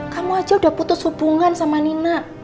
kamu aja udah putus hubungan sama nina